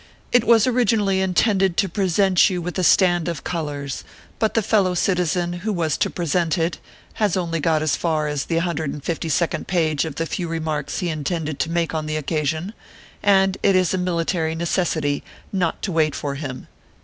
It was originally intended to present you with a stand of colors ; but the fellow citizen who was to present it has only got as far as the hundred and fifty second page of the few remarks he intended to make on the occasion, and it is a military necessity not to wait for him.